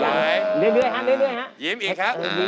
ยังเหมื่อฝาก